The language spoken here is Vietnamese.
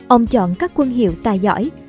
ông chọn các quân hiệu tài giỏi